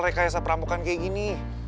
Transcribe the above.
rekayasa perampokan kayak gini